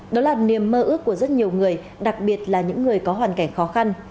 đó là niềm mơ ước của rất nhiều người đặc biệt là những người có hoàn cảnh khó khăn